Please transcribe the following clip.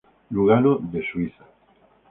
Lugano de Suiza.